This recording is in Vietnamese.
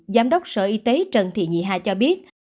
giám đốc sở y tế trần thị nhị hà cho biết